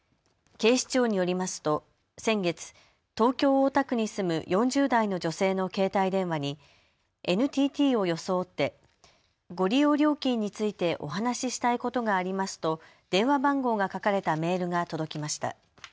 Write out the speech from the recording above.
警視庁によりますと先月、東京大田区に住む４０代の女性の携帯電話にＮＴＴを装ってご利用料金についてお話ししたいことがありますと電話番号が書かれたメールが届きました。